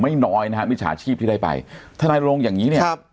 ไม่น้อยนะฮะมิจฉาชีพที่ได้ไปทนายโรงอย่างงี้เนี่ยครับ